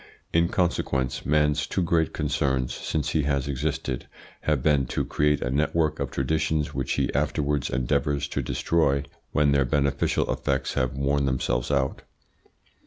In consequence man's two great concerns since he has existed have been to create a network of traditions which he afterwards endeavours to destroy when their beneficial effects have worn themselves out.